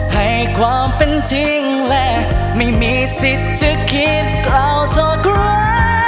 ให้ความเป็นจริงและไม่มีสิทธิ์จะคิดกล่าวสักครั้ง